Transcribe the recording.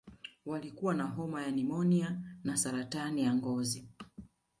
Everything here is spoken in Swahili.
Walikuwa na homa ya pneumonia na saratani ya ngozi